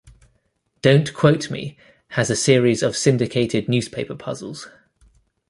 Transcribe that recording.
Don't Quote Me has a series of syndicated newspaper puzzles.